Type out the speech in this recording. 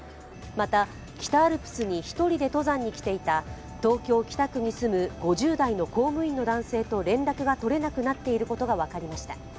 また、北アルプスに１人で登山に来ていた東京・北区に住む５０代の公務員の男性と連絡が取れなくなっていることが分かりました。